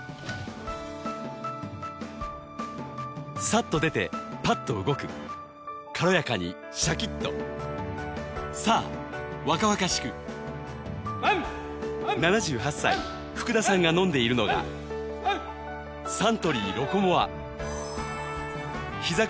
さっと出てパッと動く軽やかにシャキッと７８歳福田さんが飲んでいるのがサントリー「ロコモア」ひざ